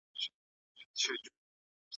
سياسي سيالي به د هيواد پر راتلونکي اغېز وکړي.